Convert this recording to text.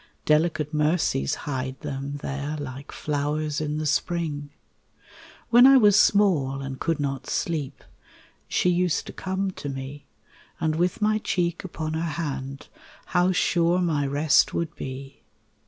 Delicate mercies hide them there Like flowers in the spring. When I was small and could not sleep, She used to come to me, And with my cheek upon her hand How sure my rest would be.